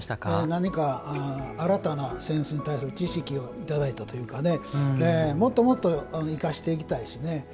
何か新たな扇子に対する知識をいただいたというかもっともっと生かしていきたいし。